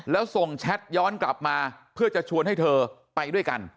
แล้วส่งแชทย้อนกลับมาเพื่อจะชวนให้เธอไปด้วยกัน